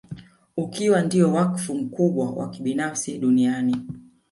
Ukiwa ndio wakfu mkubwa wa kibinafsi duniani